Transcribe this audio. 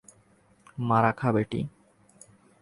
মারা খা, বেটি।